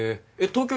えっ？